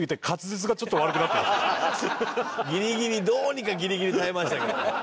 ギリギリどうにかギリギリ耐えましたけどね。